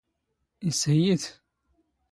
ⵉⵙ ⵜⵀⵢⵢⵉⵜ?